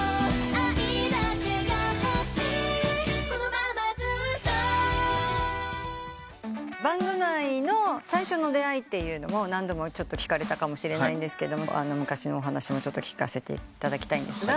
バンド内の最初の出会いというのも何度も聞かれたかもしれないんですが昔のお話も聞かせていただきたいんですが。